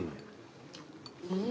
うん。